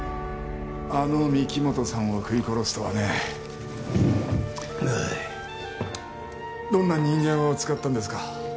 あの御木本さんを喰い殺すとはねどんな人間を使ったんですか？